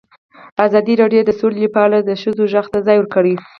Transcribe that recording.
ازادي راډیو د سوله په اړه د ښځو غږ ته ځای ورکړی.